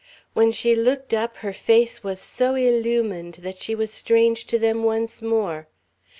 When she looked up her face was so illumined that she was strange to them once more.